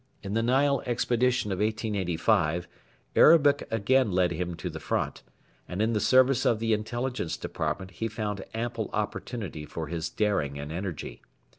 In the Nile expedition of 1885 Arabic again led him to the front, and in the service of the Intelligence Department he found ample opportunity for his daring and energy.